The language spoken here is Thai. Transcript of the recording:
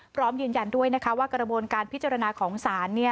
พร้อมยืนยันด้วยนะคะว่ากระบวนการพิจารณาของศาล